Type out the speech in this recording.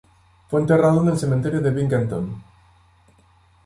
Fue enterrado en el cementerio de Binghamton.